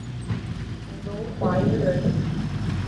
弘农华阴人。